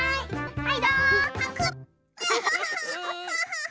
はい！